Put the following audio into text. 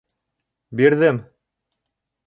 Бирҙем!